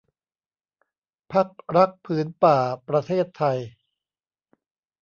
พรรครักษ์ผืนป่าประเทศไทย